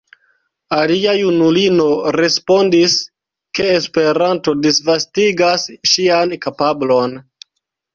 Alia junulino respondis, ke Esperanto disvastigas ŝian kapablon.